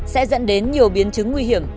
sẽ dẫn đến nhiều biến chứng nguy hiểm